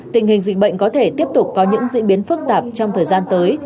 tình hình dịch bệnh có thể tiếp tục có những diễn biến phức tạp trong thời gian tới